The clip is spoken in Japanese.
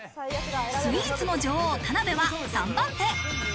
スイーツの女王・田辺は３番手。